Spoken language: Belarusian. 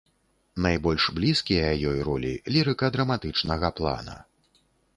Найбольш блізкія ёй ролі лірыка-драматычнага плана.